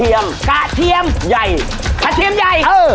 เดี๋ยวปลากะโพงแน่ใจแล้วว่าปลากะโพงจะทรงเครื่อง